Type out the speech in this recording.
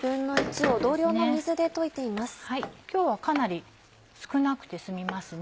今日はかなり少なくて済みますね。